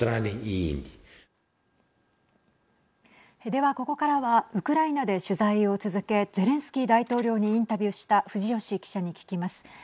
では、ここからはウクライナで取材を続けゼレンスキー大統領にインタビューした藤吉記者に聞きます。